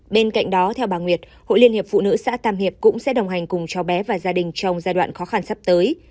bên cạnh đó theo bà nguyệt hội liên hiệp phụ nữ xã tam hiệp cũng sẽ đồng hành cùng cháu bé và gia đình trong giai đoạn khó khăn sắp tới